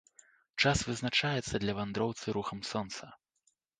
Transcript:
Час вызначаецца для вандроўцы рухам сонца.